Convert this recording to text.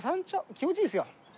気持ちいいですよ。